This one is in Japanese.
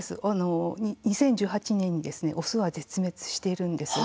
２０１８年にオスは絶滅しているんです。